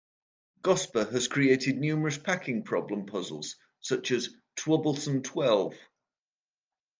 Gosper has created numerous packing problem puzzles, such as "Twubblesome Twelve".